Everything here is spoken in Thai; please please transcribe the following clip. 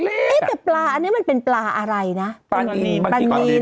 แม้แต่ปลาอันนี้มันเป็นปลาอะไรนะปลามีน